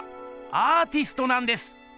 アーティストなんです！